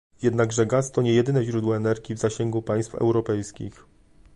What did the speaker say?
Jednakże gaz to nie jedyne źródło energii w zasięgu państw europejskich